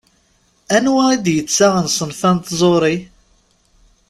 Anwa i d-yettaɣen ṣṣenf-a n tẓuṛi?